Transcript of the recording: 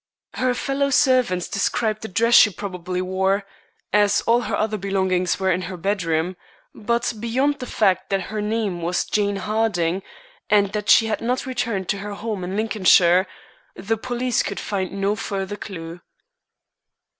Her fellow servants described the dress she probably wore, as all her other belongings were in her bedroom; but beyond the fact that her name was Jane Harding, and that she had not returned to her home in Lincolnshire, the police could find no further clue.